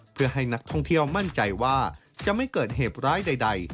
เพื่อให้นักท่องเที่ยวมั่นใจว่าจะไม่เกิดเหตุร้ายใด